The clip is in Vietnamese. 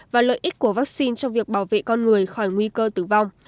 và lợi ích của vaccine trong việc bảo vệ con người khỏi nguy cơ tử vong